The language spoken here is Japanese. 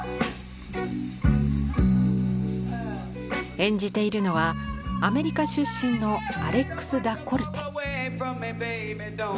演じているのはアメリカ出身のアレックス・ダ・コルテ。